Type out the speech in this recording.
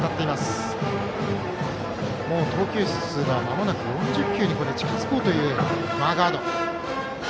投球数が４０球に近づこうというマーガード。